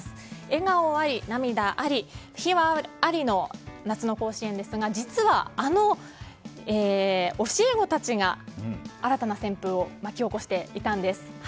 笑顔あり、涙あり、秘話ありの夏の甲子園ですが実は、あの教え子たちが新たな旋風を巻き起こしていたんです。